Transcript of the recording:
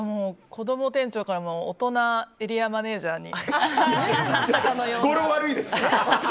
こども店長から大人エリアマネージャーに。